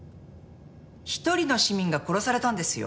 一人の市民が殺されたんですよ。